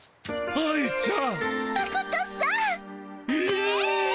愛ちゃん。